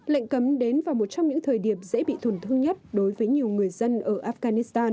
lệnh cấm đến vào một trong những thời điểm dễ bị tổn thương nhất đối với nhiều người dân ở afghanistan